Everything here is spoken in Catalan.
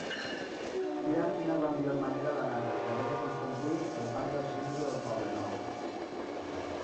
Mira'm quina és la millor manera d'anar del carrer de Constantí al parc del Centre del Poblenou.